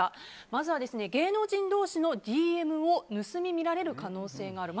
まずは芸能人同士のＤＭを盗み見られる可能性がある。